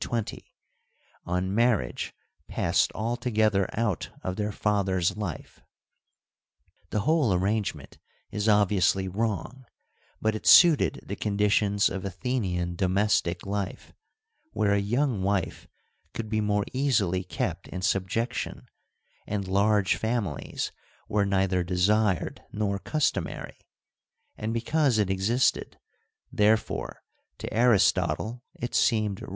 320) , on marriage passed altogether out of their father's life. The whole arrangement is obviously wrong, but it suited the conditions of Athenian domestic life, where a young wife could be more easily kept in subjection and large families were neither desired nor customary ; and because it existed, therefore to Aristotle it seemed right.